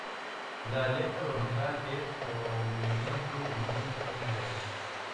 La aleta dorsal es prominente y tiene forma de hoz.